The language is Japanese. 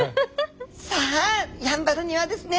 さあやんばるにはですね